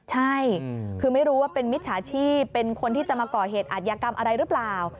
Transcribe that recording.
ใช่คือไม่รู้ว่าเป็นมิจฉาชีพเป็นคนที่จะมาก่อเหตุอาทยากรรมอะไรหรือเปล่า